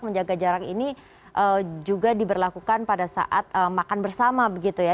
menjaga jarak ini juga diberlakukan pada saat makan bersama begitu ya